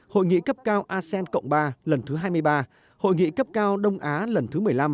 hội nghị cấp cao asean cộng ba lần thứ hai mươi ba hội nghị cấp cao đông á lần thứ một mươi năm